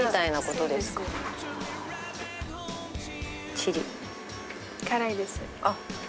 チリ辛いですあっ